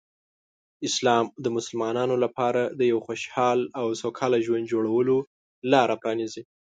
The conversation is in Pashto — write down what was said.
اسلام د مسلمانانو لپاره د یو خوشحال او سوکاله ژوند جوړولو لاره پرانیزي.